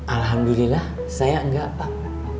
alhamdulillah saya enggak pak